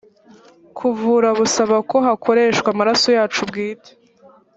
kuvura busaba ko hakoreshwa amaraso yacu bwite